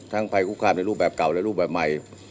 ภัยคุกคามในรูปแบบเก่าและรูปแบบใหม่